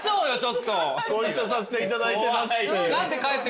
ご一緒させていただいてますって。